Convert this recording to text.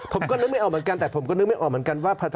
ผมก็นึกไม่ออกเหมือนกันแต่ผมก็นึกไม่ออกเหมือนกันว่า